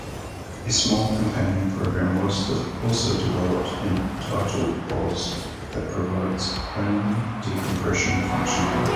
A small companion program was also developed, entitled booz, that provides only decompression functionality.